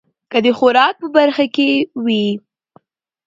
که د خوراک په برخه کې وي